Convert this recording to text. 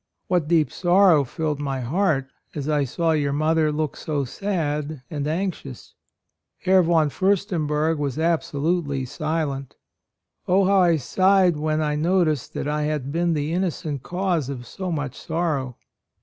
What deep sorrow filled my heart as I saw your mother look so sad and anxious! Herr von Fiirstenberg was absolutely silent. Oh, how I sighed when I noticed that I had been the innocent cause of so much sorrow